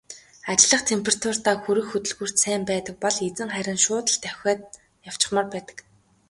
Ажиллах температуртаа хүрэх хөдөлгүүрт сайн байдаг бол эзэн харин шууд л давхиад явчихмаар байдаг.